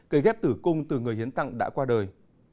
cây ghép tử cung từ người hiến tặng đã qua đời